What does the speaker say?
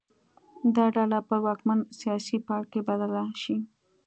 دا ډله پر واکمن سیاسي پاړکي بدله شي